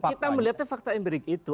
kita melihatnya fakta empirik itu